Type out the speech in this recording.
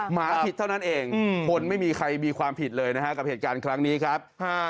หมาผิดเท่านั้นเองคนไม่มีใครมีความผิดเลยนะฮะกับเหตุการณ์ครั้งนี้ครับ